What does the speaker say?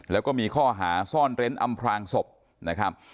แล้วก็มีข้อหาซ่อนเร้นอำพลางศพนะครับ